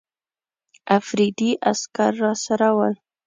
افریدي عسکر راسره ول.